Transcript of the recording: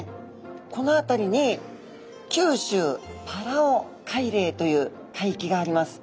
この辺りに九州パラオ海嶺という海域があります。